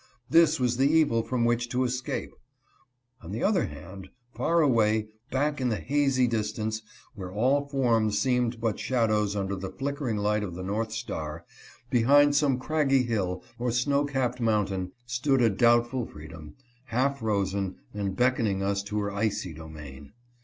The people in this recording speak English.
This was the evil from which to escape. On the other hand, far away, back in the hazy distance where all forms seemed but shadows under the flickering light of the north star, behind some craggy hill or snow capped mountain, stood a doubtful freedom, half frozen, and beckoning us to her icy domain.